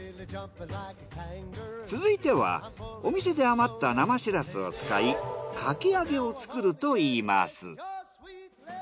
続いてはお店で余った生しらすを使いかき揚げを作るといいます。